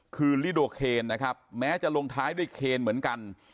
คือลิโดเคนนะครับแม้จะลงท้ายด้วยเคนเหมือนกัน